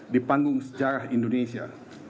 di panggung sejarah indonesia